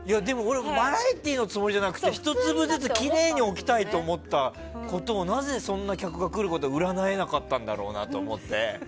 バラエティーのつもりじゃなくて１粒ずつきれいに置きたいと思ったのをなぜそんな客が来ることで占えなかったんだろうなと思って。